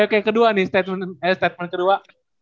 oke kedua nih statement kedua